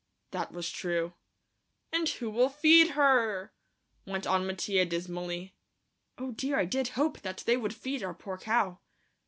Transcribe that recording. That was true. "And who'll feed her?" went on Mattia dismally. Oh, dear, I did hope that they would feed our poor cow.